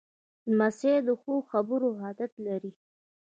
لمسی د ښو خبرو عادت لري.